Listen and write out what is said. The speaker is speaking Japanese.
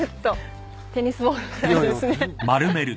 テニスボールみたいですね。